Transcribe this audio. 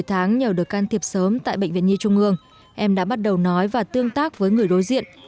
sáu tháng nhờ được can thiệp sớm tại bệnh viện nhi trung ương em đã bắt đầu nói và tương tác với người đối diện